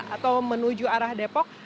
atau menuju arah depok